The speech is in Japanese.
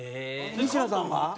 西野さんは？